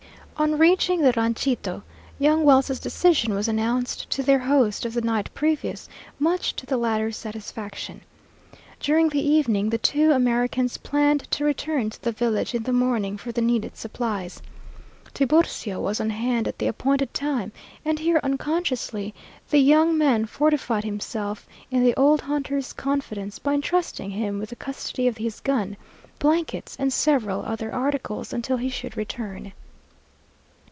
On reaching the ranchito, young Wells's decision was announced to their host of the night previous, much to the latter's satisfaction. During the evening the two Americans planned to return to the village in the morning for the needed supplies. Tiburcio was on hand at the appointed time, and here unconsciously the young man fortified himself in the old hunter's confidence by intrusting him with the custody of his gun, blankets, and several other articles until he should return.